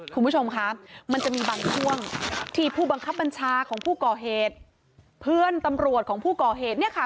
คุณผู้ชมคะมันจะมีบางช่วงที่ผู้บังคับบัญชาของผู้ก่อเหตุเพื่อนตำรวจของผู้ก่อเหตุเนี่ยค่ะ